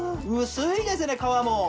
薄いですね皮も。